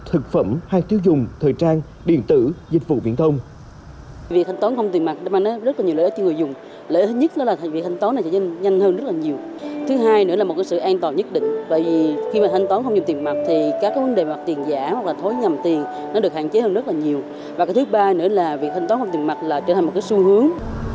thực phẩm hay tiêu dùng thời trang điện tử dịch vụ viễn thông